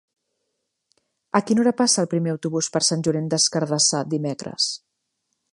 A quina hora passa el primer autobús per Sant Llorenç des Cardassar dimecres?